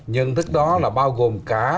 nhận thức đó là bao gồm cả